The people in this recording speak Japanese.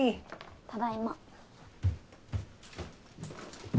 ただいま。